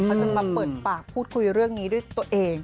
เขาจะมาเปิดปากพูดคุยเรื่องนี้ด้วยตัวเอง